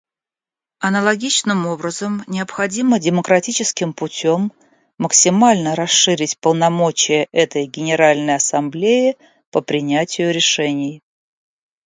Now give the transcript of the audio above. Аналогичным образом, необходимо демократическим путем максимально расширить полномочия этой Генеральной Ассамблеи по принятию решений.